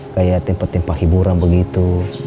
kayak tempat tempat hiburan begitu